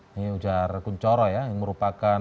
ini ujar kunchoro ya yang merupakan